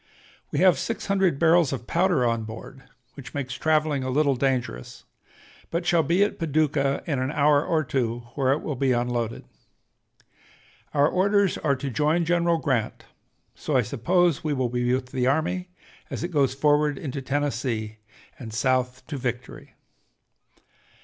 We have six hundred barrels of powder on board, which makes traveling a little dangerous, but shall be at Paducah in an hour or two, where it will be unloaded. Our orders are to 'join General Grant,' so I suppose we will be with the army as it goes forward into Tennessee and South to victory.